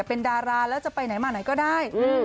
เป็นดาราแล้วจะไปไหนมาไหนก็ได้